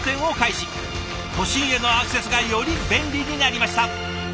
都心へのアクセスがより便利になりました。